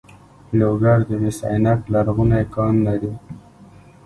لوګر د مس عینک لرغونی کان لري